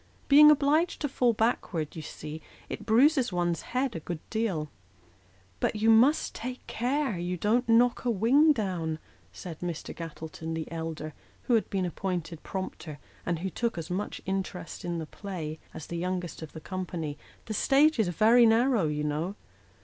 Being obliged to fall backward you see, it bruises one's head a good deal." " But you must take care you don't knock a wing down," said Mr. Gattleton, the elder, who had been appointed prompter, and who took 32O Sketches by Boz. as much interest in the play as the youngest of the company. " Tho stage is very narrow, you know."